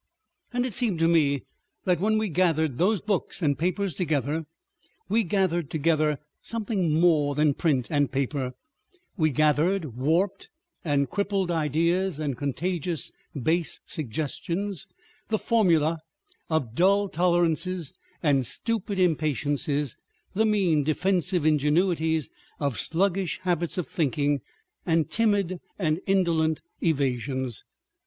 ... And it seemed to me that when we gathered those books and papers together, we gathered together something more than print and paper, we gathered warped and crippled ideas and contagious base suggestions, the formulae of dull tolerances and stupid impatiences, the mean defensive ingenuities of sluggish habits of thinking and timid and indolent evasions.